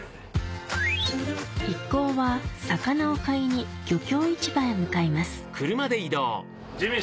一行は魚を買いに漁協市場へ向かいます